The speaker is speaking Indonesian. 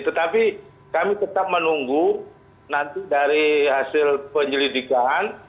tetapi kami tetap menunggu nanti dari hasil penyelidikan